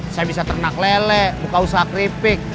saya bisa ternak lele buka usaha keripik